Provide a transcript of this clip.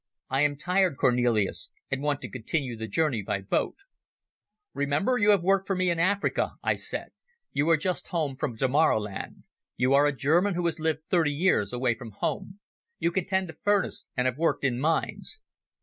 I am tired, Cornelis, and want to continue the journey by boat." "Remember you have worked for me in Africa," I said. "You are just home from Damaraland. You are a German who has lived thirty years away from home. You can tend a furnace and have worked in mines."